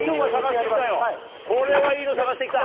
これはいいのを探してきたよ！